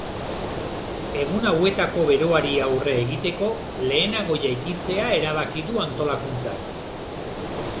Egun hauetako beroari aurre egiteko, lehenago jaikitzea erabaki du antolakuntzak.